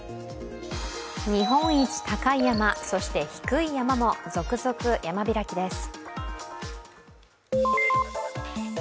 日本一高い山、そして低い山も続々山開きです。